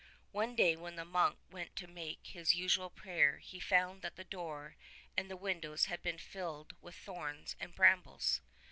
One day when the monk went to make his usual prayer, he found that the door and the windows 6i had been filled with thorns and brambles.